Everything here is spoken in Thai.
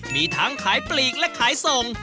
มีทั้งขายปลีกและขายส่ง